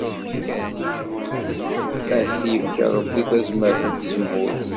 Ad k-yefk Ṛebbi tazmart n tzemmurt.